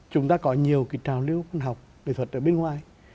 chúng ta có nhiều cái trào lưu văn học nghệ thuật ở bên ngoài